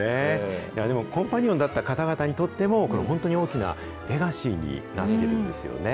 いやでも、コンパニオンだった方にとっても、これ、本当に大きなレガシーになっているんですよね。